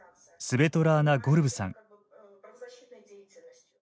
スベトラーナ・ゴルブさん。